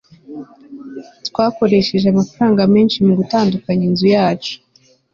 twakoresheje amafaranga menshi mugutunganya inzu yacu